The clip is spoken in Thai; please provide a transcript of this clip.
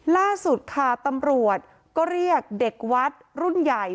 ล่าสุดค่ะตำรวจก็เรียกเด็กวัดรุ่นใหญ่